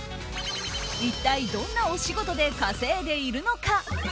一体どんなお仕事で稼いでいるのか？